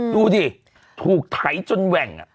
ดูดิถูกไถจนแหว่ง